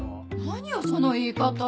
何よその言い方！